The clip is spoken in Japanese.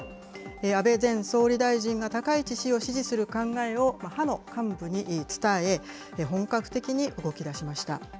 安倍前総理大臣が高市氏を支持する考えを派の幹部に伝え、本格的に動きだしました。